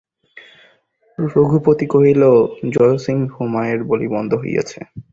রঘুপতি কহিলেন, জয়সিং, মায়ের বলি বন্ধ হইয়াছে।